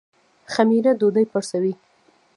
خمیره ډوډۍ پړسوي